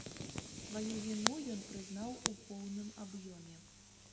Сваю віну ён прызнаў у поўным аб'ёме.